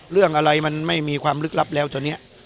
เรื่องอะไรมันไม่มีความลึกลับแล้วตอนนี้